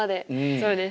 そうです。